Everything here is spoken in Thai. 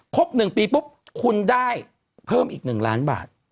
๑ปีปุ๊บคุณได้เพิ่มอีก๑ล้านบาท